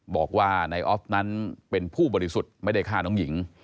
บอกว่านายออฟนั้นเป็นผู้บริสุทธิ์ไม่ได้ฆ่าน้องหญิง